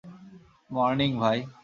Morning, ভাই!